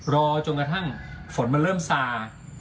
รอจนกระทั่งฝนมันเริ่มซา